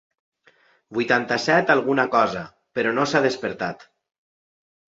Vuitanta-set alguna cosa, però no s'ha despertat.